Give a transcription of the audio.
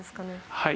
はい。